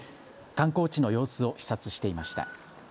観光地の様子を視察していました。